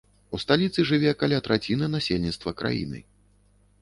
У сталіцы жыве каля траціны насельніцтва краіны.